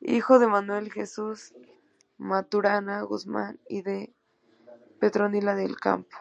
Hijo de Manuel Jesús Maturana Guzmán y de Petronila del Campo.